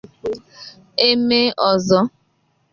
e mee ọzọ.